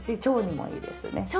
腸体にもいいんですね。